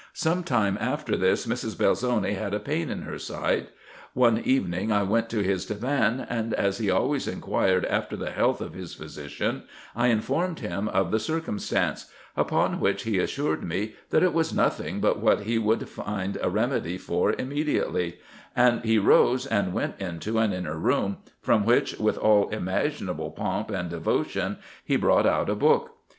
Some time after this, "Mrs. Belzoni had a pain in her side. One evening, 1 went to his divan ; and as he always inquired after the health of his physician, I informed him of the circumstance : upon which he assured me, that it was nothing but what he would IN EGYPT, NUBIA, kc. 17 find a remedy for immediately ; and he rose and went into an inner room, from which with all imaginable pomp and devotion he brought out a book.